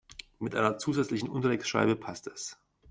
Mit einer zusätzlichen Unterlegscheibe passt es.